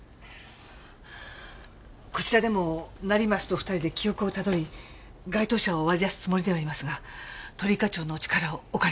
こちらでも成増と２人で記憶をたどり該当者を割り出すつもりではいますが鳥居課長のお力をお借りしたくて。